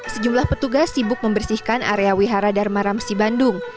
sejumlah petugas sibuk membersihkan area wihara dharma ramsi bandung